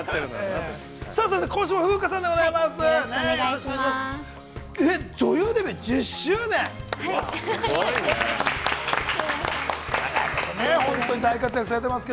◆さあ、今週も風花さんでございます。